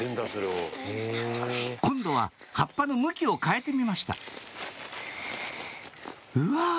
今度は葉っぱの向きを変えてみましたうわ！